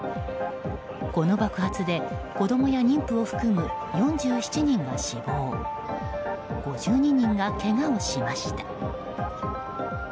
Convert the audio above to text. この爆発で子供や妊婦を含む４７人が死亡５２人がけがをしました。